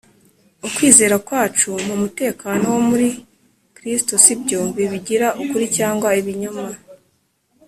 Ukwizera kwacu mu mutekano wo muri Kristo si byo bibigira ukuri cyangwa ibinyoma: